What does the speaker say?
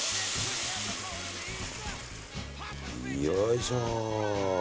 よいしょ。